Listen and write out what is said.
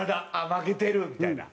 負けてるみたいな。